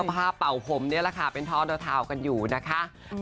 ก็ภาพเป่าผมนี่แหละค่ะเป็นทอดเท้ากันอยู่นะคะ